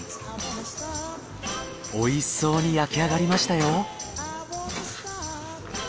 おいしそうに焼き上がりましたよ。